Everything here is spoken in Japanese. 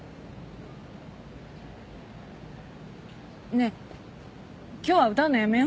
ねえ今日は歌うのやめよう。